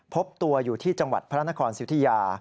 พบตัวอยู่ที่จังหวัดพระนครสิทธิยา